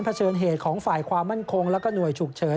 เชิญเหตุของฝ่ายความมั่นคงแล้วก็หน่วยฉุกเฉิน